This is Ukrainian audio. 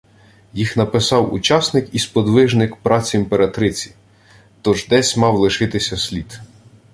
Їх написав учасник і сподвижник «праць» імператриці, тож десь мав лишитися слід